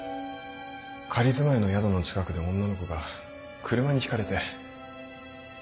仮住まいの宿の近くで女の子が車にひかれて。